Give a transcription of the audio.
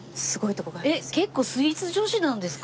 えっ結構スイーツ女子なんですか？